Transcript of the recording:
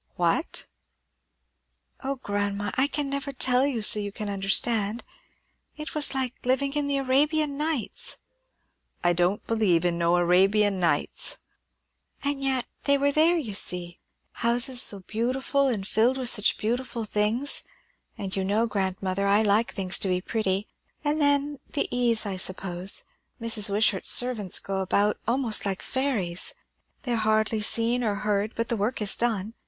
"What?" "O grandma, I can never tell you so that you can understand! It was like living in the Arabian Nights." "I don't believe in no Arabian Nights." "And yet they were there, you see. Houses so beautiful, and filled with such beautiful things; and you know, grandmother, I like things to be pretty; and then, the ease, I suppose. Mrs. Wishart's servants go about almost like fairies; they are hardly seen or heard, but the work is done.